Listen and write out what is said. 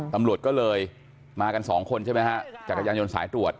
ตำรวจก็เลยมากันสองคนใช่ไหมฮะจักรยานยนต์สายตรวจ